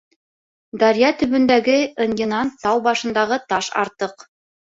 Даръя төбөндәге ынйынан тау башындағы таш артыҡ.